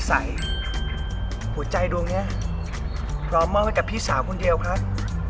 เฮ้ยหัวใจดวงเนี้ยพร้อมเมาะไว้กับพี่สาวคนเดียวครับ